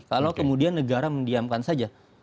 kalau kemudian negara mendiamkan saja